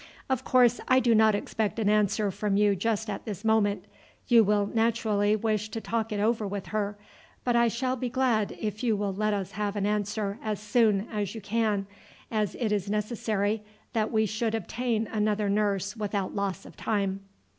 Of course I do not expect an answer from you just at this moment. You will naturally wish to talk it over with her, but I shall be glad if you will let us have an answer as soon as you can, as it is necessary that we should obtain another nurse without loss of time."